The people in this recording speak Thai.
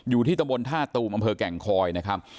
อยู่ที่ตะบนท่าตูมอำเภอแก่งคอยนะครับ